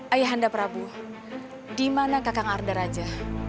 ayahanda prabu di mana kakang arda raja